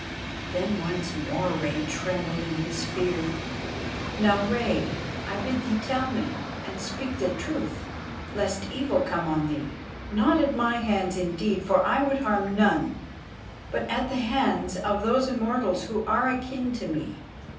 Then once more Rei trembled in his fear. "Now, Rei, I bid thee tell me, and speak the truth, lest evil come on thee, not at my hands indeed, for I would harm none, but at the hands of those Immortals who are akin to me.